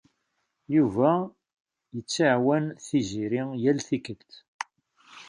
Yuba yettɛawan Tiziri yal tikkelt.